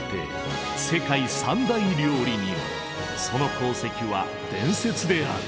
その功績は伝説である。